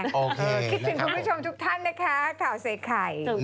คิดถึงคุณผู้ชมทุกท่านนะคะข่าวใส่ไข่